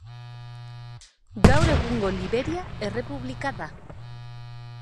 Gaur egungo Liberia errepublika da.